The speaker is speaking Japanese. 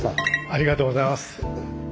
ありがとうございます。